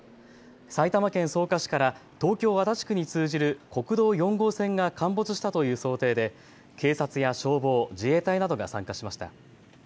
埼玉県草加市から東京足立区に通じる国道４号線が陥没したという想定で警察や消防、自衛隊などが参加しました。